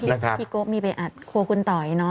เพราะพี่โก๊ะมีไปอัดครัวคุณต่อยเนอะ